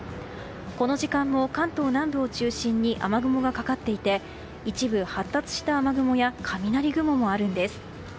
この時間も関東南部を中心に雨雲がかかっていて一部発達した雨雲や雷雲もあるんです。